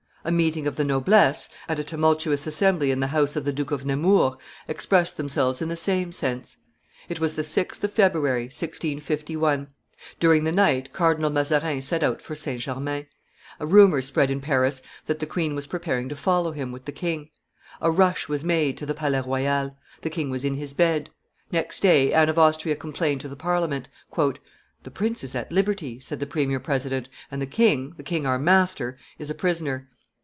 A meeting of the noblesse, at a tumultuous assembly in the house of the Duke of Nemours, expressed themselves in the same sense. It was the 6th of February, 1651: during the night, Cardinal Mazarin set out for St. Germain; a rumor spread in Paris that the queen was preparing to follow him with the king; a rush was made to the Palais Royal: the king was in his bed. Next day, Anne of Austria complained to the Parliament. "The prince is at liberty," said the premier president, "and the king, the king our master, is a prisoner."